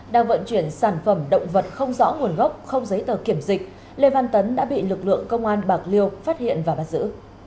đang vận chuyển sản phẩm động vật không rõ nguồn gốc không giấy tờ kiểm dịch lê văn tấn đã bị lực lượng công an bạc liêu phát hiện và bắt giữ